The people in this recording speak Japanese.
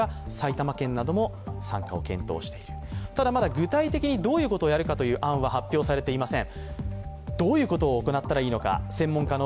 具体的にどういうことをやるかの案は発表されていません。